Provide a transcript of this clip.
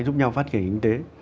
giúp nhau phát triển kinh tế